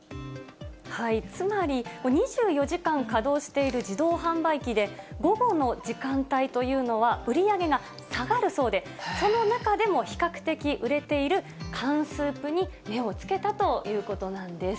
つまり、２４時間稼働している自動販売機で、午後の時間帯というのは売り上げが下がるそうで、その中でも比較的売れている缶スープに目をつけたということなんです。